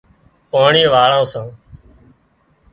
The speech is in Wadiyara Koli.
پاڻي واۯان سان